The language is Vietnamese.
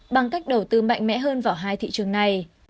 bằng cách đầu tư mạnh mẽ hơn vào hai thị trường này